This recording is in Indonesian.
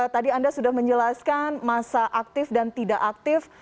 tadi anda sudah menjelaskan masa aktif dan tidak aktif